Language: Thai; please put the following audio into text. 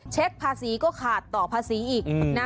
เช็คภาษีก็ขาดต่อภาษีอีกนะ